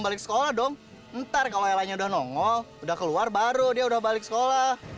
balik sekolah dong ntar kalau lanya udah nongol udah keluar baru dia udah balik sekolah